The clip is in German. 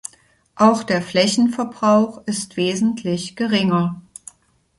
Auch der Flächenverbrauch ist wesentlich geringer.